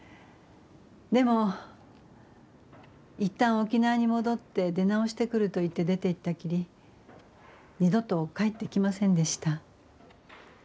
でも一旦沖縄に戻って出直してくると言って出ていったきり二度と帰ってきませんでした。